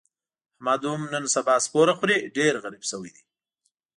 احمد هم نن سبا سپوره خوري، ډېر غریب شوی دی.